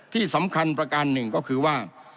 ที่สำคัญประการหนึ่งก็คือว่า